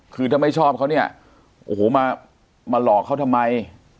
คือถ้าไม่ชอบเขาเนี่ยโอ้โหมาหลอกเขาทำไม